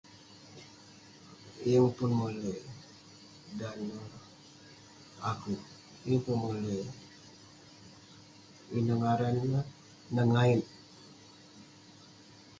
Yeng pun moley dan neh akeuk yeng pe moley. Ineh ngaran neh nengayet.